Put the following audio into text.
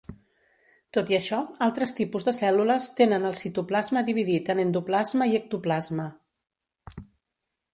Tot i això, altres tipus de cèl·lules tenen el citoplasma dividit en endoplasma i ectoplasma.